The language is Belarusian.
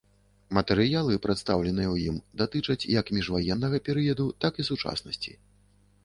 Матэрыялы, прадстаўленыя ў ім, датычаць як міжваеннага перыяду, так і сучаснасці.